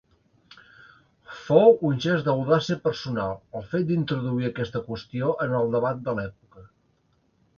Fou un gest d'audàcia personal, el fet d'introduir aquesta qüestió en el debat de l'època.